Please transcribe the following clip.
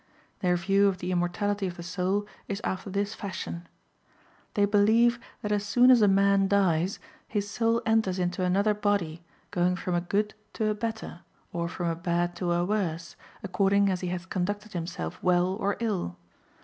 "'* Their view of the immortality of the soul is after tliis fashion. They believe that as soon as a man dies, his soul enters into another body, going from a good to a Chap. XXXIV. RELIGION OF THE CATIIAYANS 457 better, or from a bad to a worse, according as he hath conducted himself well or ill.